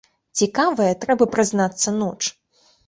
Цікавая, трэба прызнацца, ноч.